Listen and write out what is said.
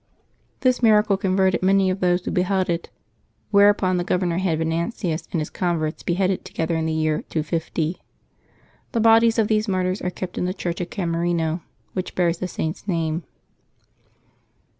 This miracle con verted many of those who beheld it, whereupon the governor had Venantius and his converts beheaded together in the year 250. The bodies of these martyrs are kept in the church at Camerino which bears the Saint's name.